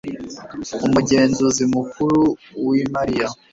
umugenzuzi mukuru w imariy